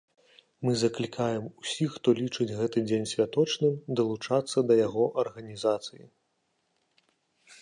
Мы заклікаем усіх, хто лічыць гэты дзень святочным, далучацца да яго арганізацыі.